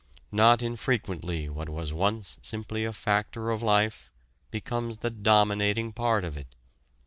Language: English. Not infrequently what was once simply a factor of life becomes the dominating part of it.